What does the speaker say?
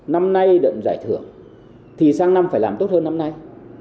năm nay đậm giải thưởng thì sang năm phải làm tốt hơn năm nay